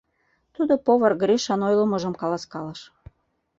Тудо повар Гришан ойлымыжым каласкалыш.